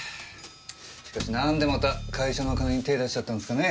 しかし何でまた会社の金に手出しちゃったんですかね？